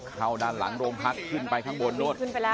เข้าด้านหลังโรงพักขึ้นไปทางบนนู้น